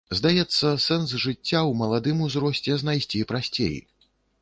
Здаецца, сэнс жыцця ў маладым узросце знайсці прасцей.